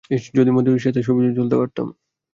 ইশ,, যদি মোদির সাথে ছবি তুলতে পারতাম।